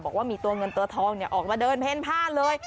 บอกว่ามีตัวเงินตัวทองออกมาเดินเพ่นผ้าเลย